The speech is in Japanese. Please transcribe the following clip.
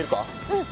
うん。